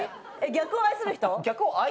「逆を愛する人」？